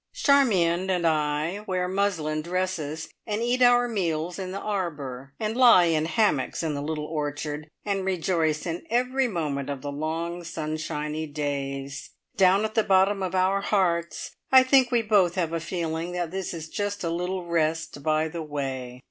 Charmion and I wear muslin dresses, and eat our meals in the arbour, and lie in hammocks in the little orchard, and rejoice in every moment of the long sunshiny days. Down at the bottom of our hearts, I think we both have a feeling that this is just a little rest by the way.